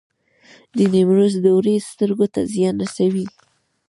د نیمروز دوړې سترګو ته زیان رسوي؟